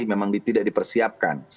memang tidak dipersiapkan